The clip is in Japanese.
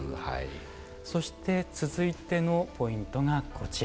そして続いてのポイントがこちら。